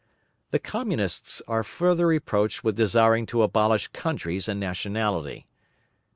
The Communists are further reproached with desiring to abolish countries and nationality.